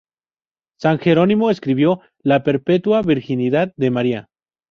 San Jerónimo escribió "La Perpetua Virginidad de María".